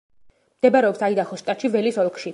მდებარეობს აიდაჰოს შტატში, ველის ოლქში.